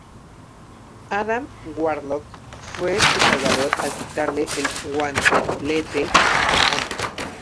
Adam Warlock fue su salvador al quitarle el Guantelete a Thanos.